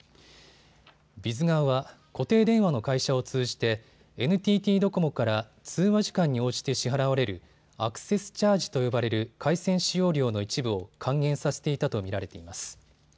ＢＩＳ側は固定電話の会社を通じてＮＴＴドコモから通話時間に応じて支払われるアクセスチャージと呼ばれる回線使用料の一部を還元させていたと見られています。